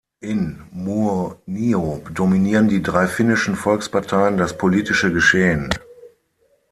In Muonio dominieren die drei finnischen Volksparteien das politische Geschehen.